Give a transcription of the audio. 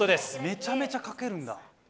めちゃめちゃ書けるんだ。